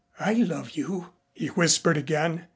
"I love you," he whispered again.